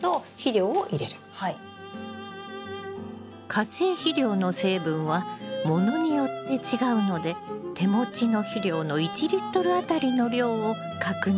化成肥料の成分はものによって違うので手持ちの肥料の１当たりの量を確認してね。